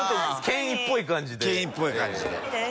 権威っぽい感じで。